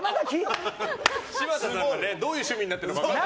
柴田さんが、どういう趣味になってるか分からない。